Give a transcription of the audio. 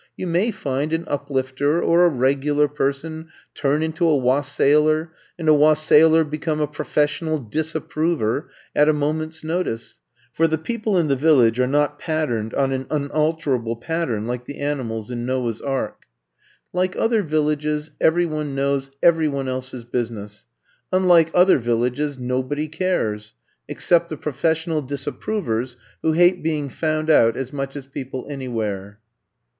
You may find an Uplifter or a Regular Person turn into a Wassailer, and a Wassailer be come a Professional Disapprover, at a mo ment *s notice — for the people in the Vil lage are not patterned on an unalterable pattern, like the animals in Noah 's Ark. 6 I'VE COME TO STAY Like other villages, every one knows every one ^s else business — ^unlike other vil lages, nobody cares, except the Profes sional Disapprovers, who hate being found out as much as people anywhere.